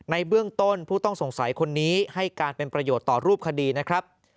ในเบื้องต้นผู้ต้องสงสัยคนนี้ให้การเป็นประโยชน์ต่อรูปคดีนะครับ